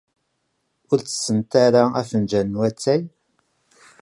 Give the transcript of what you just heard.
Ur ttessent ara afenǧal n watay?